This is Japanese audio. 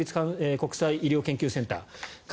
国立国際医療研究センター。